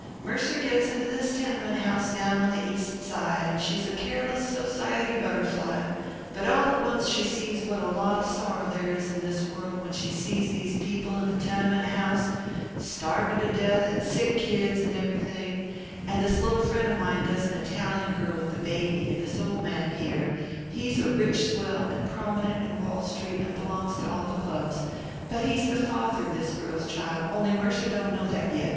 Mercer gets into this tenement house down on the east side, and she's a careless society butterfly; but all at once she sees what a lot of sorrow there is in this world when she sees these people in the tenement house, starving to death, and sick kids and everything, and this little friend of mine does an Italian girl with a baby and this old man here, he's a rich swell and prominent in Wall Street and belongs to all the clubs, but he's the father of this girl's child, only Mercer don't know that yet.